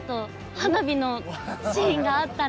花火のシーンがあったら。